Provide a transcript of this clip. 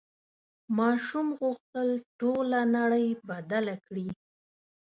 ماشوم غوښتل ټوله نړۍ بدله کړي.